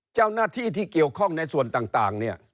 เจ้าหน้าที่ที่เกี่ยวข้องในส่วนต่างเนี่ย